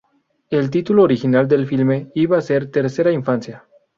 El título original del filme iba a ser Tercera Infancia.